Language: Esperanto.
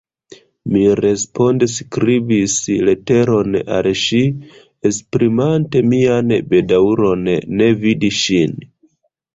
Mi responde skribis leteron al ŝi, esprimante mian bedaŭron ne vidi ŝin.